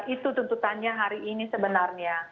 itu tuntutannya hari ini sebenarnya